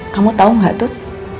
kamu tau gak tut